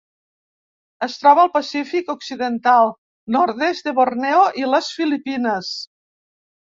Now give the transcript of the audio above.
Es troba al Pacífic occidental: nord-est de Borneo i les Filipines.